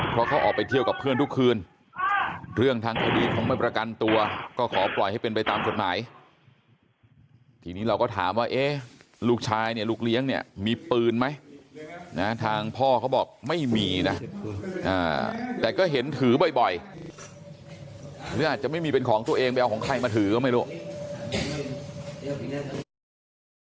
เพราะเขาออกไปเที่ยวกับเพื่อนทุกคืนเรื่องทางคดีของไม่ประกันตัวก็ขอปล่อยให้เป็นไปตามกฎหมายทีนี้เราก็ถามว่าเอ๊ะลูกชายเนี่ยลูกเลี้ยงเนี่ยมีปืนไหมนะทางพ่อเขาบอกไม่มีนะแต่ก็เห็นถือบ่อยหรืออาจจะไม่มีเป็นของตัวเองไปเอาของใครมาถือก็ไม่รู้